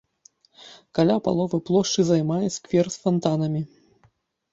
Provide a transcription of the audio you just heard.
Каля паловы плошчы займае сквер з фантанамі.